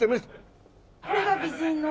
これが美人の。